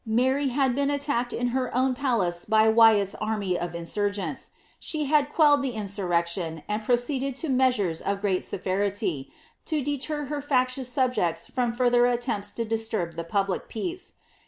Mary liad been attacked in her own palace by Wyat's army of insurgents; she had quelled the insurrection, and proceeded to measures of great severity, to deter her factions subjects from further attempts to disturb the public peace.